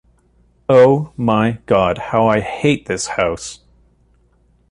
Oh, my God, how I hate this house!